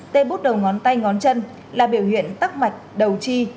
tê bút đầu ngón tay ngón chân là biểu hiện tắc mạch đầu chi